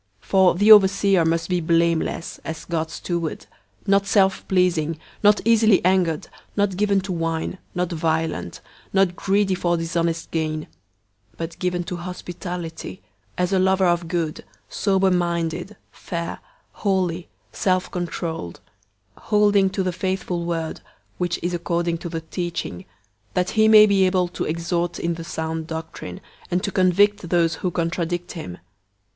001:007 For the overseer must be blameless, as God's steward; not self pleasing, not easily angered, not given to wine, not violent, not greedy for dishonest gain; 001:008 but given to hospitality, as a lover of good, sober minded, fair, holy, self controlled; 001:009 holding to the faithful word which is according to the teaching, that he may be able to exhort in the sound doctrine, and to convict those who contradict him.